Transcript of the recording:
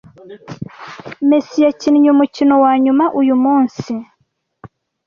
Messi yakinnye umukino wanyuma uyu munsi